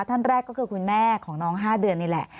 ท่านแรกก็คือคุณแม่ของน้อง๕เดือนนี่แหละ